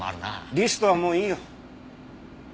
リストはもういいよ。